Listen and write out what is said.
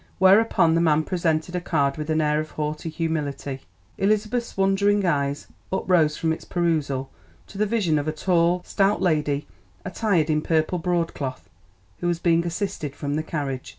Whereupon the man presented a card with an air of haughty humility. Elizabeth's wondering eyes uprose from its perusal to the vision of a tall, stout lady attired in purple broadcloth who was being assisted from the carriage.